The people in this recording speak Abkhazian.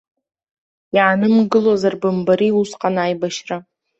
Иаанымгылозар бымбари усҟан аибашьра!